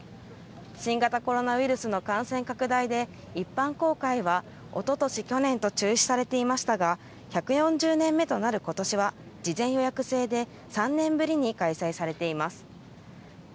新型コロナの感染拡大で一般公開は一昨年、去年と中止されましたが、１４０年目となる今年は事前予約制で３年ぶりに開催されています。